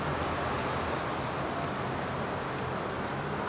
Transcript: あ！